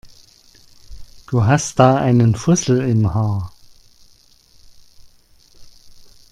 Du hast da einen Fussel im Haar.